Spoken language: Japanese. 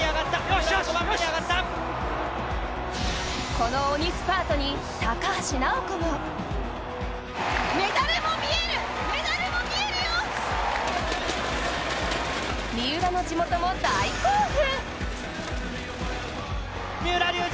この鬼スパートに高橋尚子も三浦の地元も大興奮！